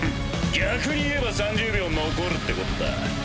逆に言えば３０秒残るってこった。